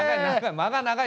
間が長いよ。